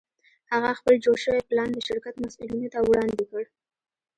هغه خپل جوړ شوی پلان د شرکت مسوولینو ته وړاندې کړ